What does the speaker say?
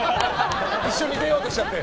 一緒に出ようとしちゃって。